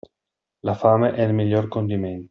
La fame è il miglior condimento.